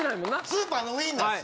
スーパーのウインナーです！